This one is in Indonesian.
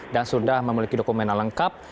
dan sudah memiliki dokumen yang lengkap